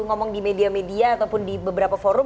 ngomong di media media ataupun di beberapa forum